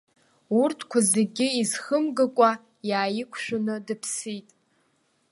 Урҭқәа зегьы изхымгакәа иааиқәшәаны дыԥсит.